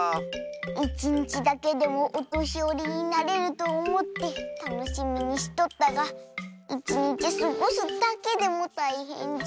いちにちだけでもおとしよりになれるとおもってたのしみにしとったがいちにちすごすだけでもたいへんじゃ。